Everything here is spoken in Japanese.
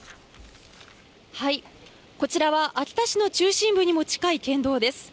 こちらは秋田市の中心部にも近い県道です。